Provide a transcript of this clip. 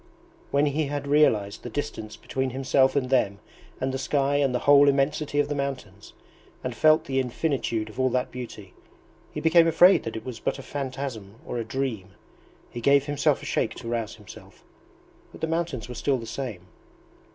When he had realized the distance between himself and them and the sky and the whole immensity of the mountains, and felt the infinitude of all that beauty, he became afraid that it was but a phantasm or a dream. He gave himself a shake to rouse himself, but the mountains were still the same.